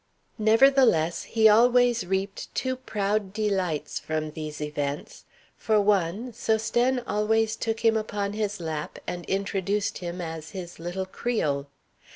Nevertheless, he always reaped two proud delights from these events. For one, Sosthène always took him upon his lap and introduced him as his little Creole.